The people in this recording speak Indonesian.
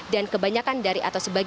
dan kebanyakan dari atau sebagiannya